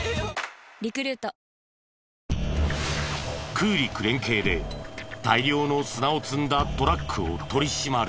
空陸連携で大量の砂を積んだトラックを取り締まる。